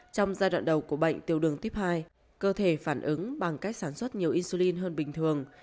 trong giai đoạn đầu của bệnh tiêu đường tuyếp hai cơ thể phản ứng bằng cách sản xuất nhiều insulin hơn bình thường